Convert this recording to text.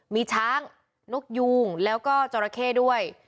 มีช้างนกยูงแล้วก็จราเข้ด้วย